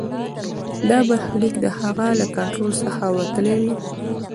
دا برخلیک د هغه له کنټرول څخه وتلی وي.